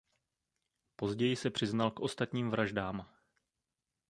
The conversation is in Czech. Později se přiznal k ostatním vraždám.